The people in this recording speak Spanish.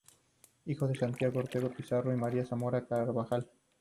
Hijo de Santiago Orrego Pizarro y María Zamora Carvajal.